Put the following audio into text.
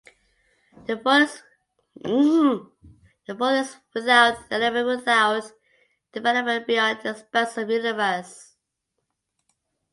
The fourth is without an element, without development, beyond the expanse of universe.